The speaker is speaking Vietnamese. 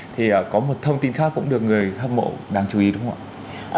thì có một thông tin khác cũng được người hâm mộ đáng chú ý đúng không ạ